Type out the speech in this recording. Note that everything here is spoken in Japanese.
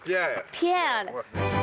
ピエール。